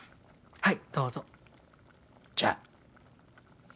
はい。